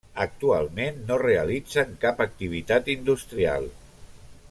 Actualment no realitzen cap activitat industrial.